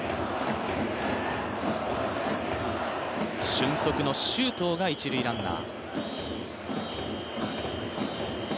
俊足の周東が一塁ランナー。